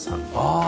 ああ！